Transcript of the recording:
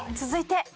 「続いて」